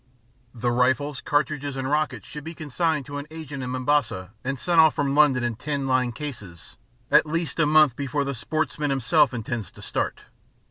The rifles, cartridges, and rockets should be consigned to an agent in Mombasa, and sent off from London in tin lined cases at least a month before the sportsman himself intends to start.